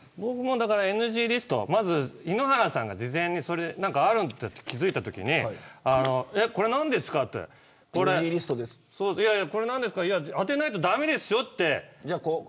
ＮＧリストをまず井ノ原さんが事前にあるんだと気づいたときにこれ何ですかって当てないと駄目ですよって。